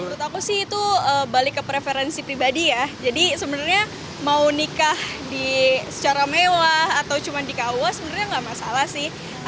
menurut aku sih itu balik ke preferensi pribadi ya jadi sebenarnya mau nikah secara mewah atau cuma di kua sebenarnya nggak masalah sih